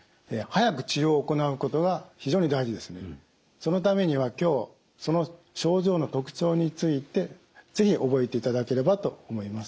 そのためには今日その症状の特徴について是非覚えていただければと思います。